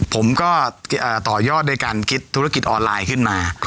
ผมก็ต่อยอดด้วยการคิดธุรกิจออนไลน์ขึ้นมา